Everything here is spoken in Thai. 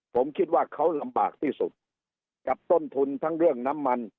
ผมคิดว่าเขาลำบากที่สุดกับต้นทุนทั้งเรื่องน้ำมัน